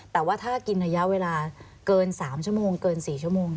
แต่ว่าถ้ากินระยะเวลาเกิน๓ชั่วโมงเกิน๔ชั่วโมง